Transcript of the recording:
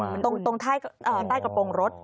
มันตรงใต้กระโปรงรถ